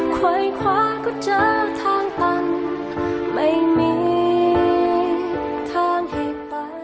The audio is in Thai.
ควายคว้าก็เจอทางตันไม่มีทางให้ไป